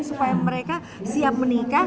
supaya mereka siap menikah